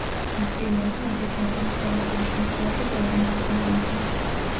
აქტიური და ადეკვატური თერაპიის შემთხვევაში პროგნოზი საიმედოა.